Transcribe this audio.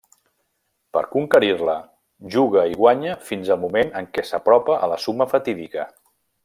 Per conquerir-la, juga i guanya fins al moment en què s'apropa a la suma fatídica.